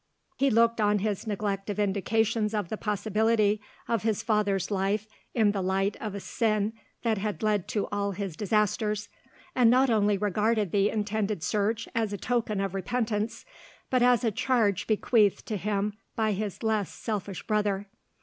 He looked on his neglect of indications of the possibility of his father's life in the light of a sin that had led to all his disasters, and not only regarded the intended search as a token of repentance, but as a charge bequeathed to him by his less selfish brother.